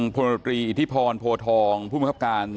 ผลโนโรตรีอิทธิพรโพธองผู้บังคับการณ์